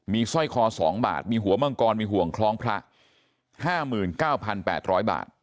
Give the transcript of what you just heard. มีสร้อยคอ๒บาทมีหัวมังกรมีห่วงคล้องพระ๕๙๘๐๐บาท